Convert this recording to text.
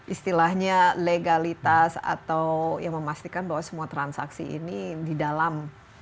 istilahnya legalitas atau ya memastikan bahwa semua transaksi ini di dalam